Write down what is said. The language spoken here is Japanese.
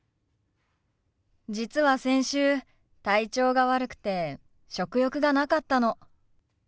実は先週体調が悪くて食欲がなかったの。